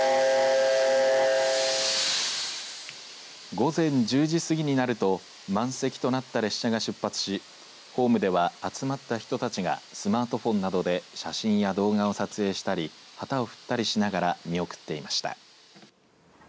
午前１０時過ぎになると満席となった列車が出発しホームでは集まった人たちがスマートフォンなどで写真や動画を撮影したり旗を振ったりしながら見送っていました。